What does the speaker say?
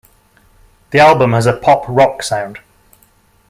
The album has a pop rock sound.